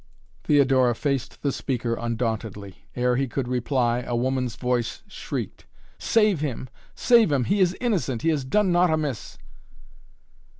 Theodora faced the speaker undauntedly. Ere he could reply, a woman's voice shrieked. "Save him! Save him! He is innocent! He has done naught amiss!"